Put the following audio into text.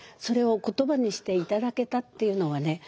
それを言葉にして頂けたっていうのはね